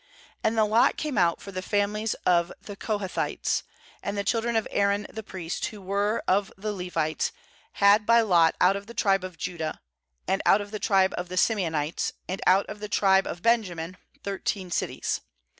4And the lot came out for the fam ilies of the Kohathites; and the chil dren of Aaron the priest, who were of the Levites, had by lot out of the tribe of Judah, and out of the tribe of the Simeonites, and out of the tribe of Benjamin, thirteen cities.